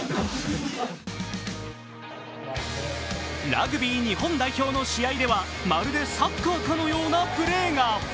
ラグビー日本代表の試合ではまるでサッカーかのようなプレーが。